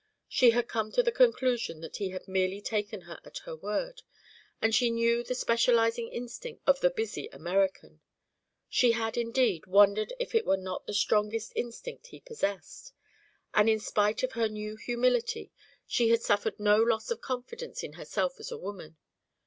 She had come to the conclusion that he had merely taken her at her word, and she knew the specialising instinct of the busy American. She had, indeed, wondered if it were not the strongest instinct he possessed. And in spite of her new humility, she had suffered no loss of confidence in herself as a woman.